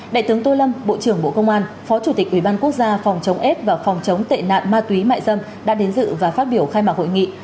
đại tướng tô lâm bộ trưởng bộ công an phó chủ tịch ủy ban quốc gia phòng chống s và phòng chống tệ nạn ma túy mại dâm đã đến dự và phát biểu khai mạc hội nghị